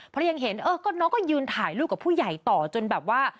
พอยังเห็นเออก็น้องก็ยืนถ่ายรูปกับผู้ใหญ่ต่อจนแบบว่า